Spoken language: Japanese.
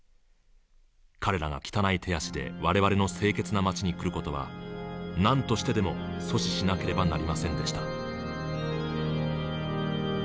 彼らが汚い手足で我々の清潔な街に来る事は何としてでも阻止しなければなりませんでした」。